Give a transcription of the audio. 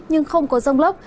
nhưng không có rông lấp